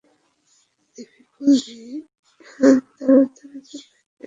দেবী কালি তার উদ্ধারের জন্য এসেছিলেন এবং পরবর্তী দিনই জমিদার মুক্তি পেয়েছিলেন।